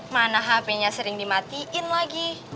mana hpnya sering dimatiin lagi